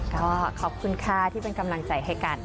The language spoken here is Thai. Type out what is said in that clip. ก็ขอบคุณค่ะที่เป็นกำลังใจให้กัน